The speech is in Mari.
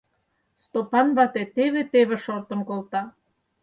— Стопан вате теве-теве шортын колта.